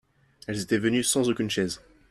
Elles étaient venus sans aucune chaise.